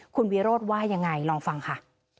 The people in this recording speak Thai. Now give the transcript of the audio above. คุณวิโรธว่ายังไงลองฟังค่ะ